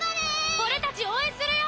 俺たち応援するよ！